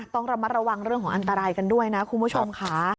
ต้องระมัดระวังเรื่องของอันตรายกันด้วยนะคุณผู้ชมค่ะ